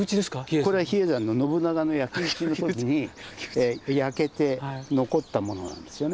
これは比叡山の信長の焼き打ちの時に焼けて残ったものなんですよね。